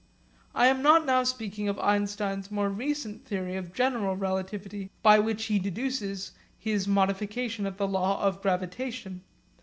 I am not now speaking of Einstein's more recent theory of general relativity by which he deduces his modification of the law of gravitation.